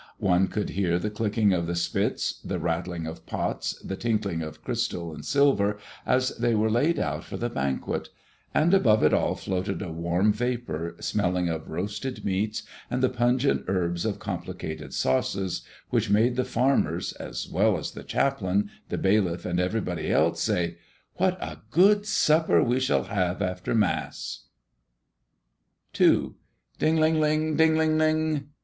One could hear the clicking of the spits, the rattling of pots, the tinkling of crystal and silver, as they were laid out for the banquet; and above it all floated a warm vapor smelling of roasted meats and the pungent herbs of complicated sauces, which made the farmers, as well as the chaplain, the bailiff, and everybody say, "What a good supper we shall have after Mass!" II. Ding, ling, ling! Ding, ling, ling!